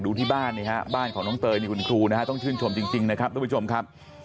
ที่บ้านนี่ฮะบ้านของน้องเตยนี่คุณครูนะฮะต้องชื่นชมจริงนะครับทุกผู้ชมครับ